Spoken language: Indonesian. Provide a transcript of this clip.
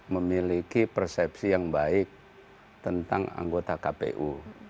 memiliki persepsi yang baik tentang anggota kpu